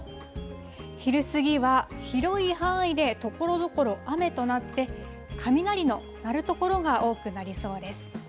昼ごろを見ていくと、昼過ぎは広い範囲でところどころ雨となって、雷の鳴る所が多くなりそうです。